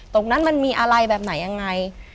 ตรงนั้นมันมีอะไรแบบไหนยังไง